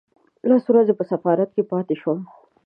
لس ورځې په سفارت کې پاتې شوم.